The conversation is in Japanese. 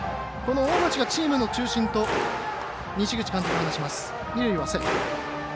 大町がチームの中心と西口監督は話します。